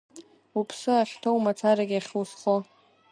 Уԥсы ахьҭоу мацарагь ахьузхо.